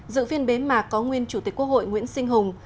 dự phiên bế mạc có nguyên chủ tịch quốc hội nguyễn sinh hùng